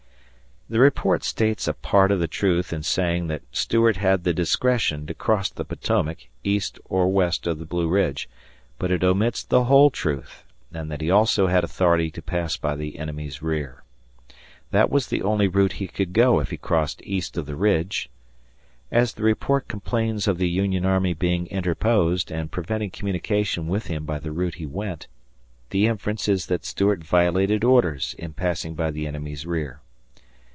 The report states a part of the truth in saying that Stuart had the discretion to cross the Potomac east or west of the Blue Ridge, but it omits the whole truth and that he also had authority to pass by the enemy's rear. That was the only route he could go if he crossed east of the Ridge. As the report complains of the Union army being interposed and preventing communication with him by the route he went, the inference is that Stuart violated orders in passing by the enemy's rear.